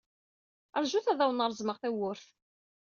Ṛjut ad awen-reẓmeɣ tawwurt.